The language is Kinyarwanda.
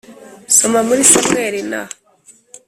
Soma muri Samweli na